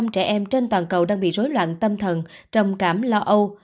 một mươi trẻ em trên toàn cầu đang bị rối loạn tâm thần trầm cảm lo âu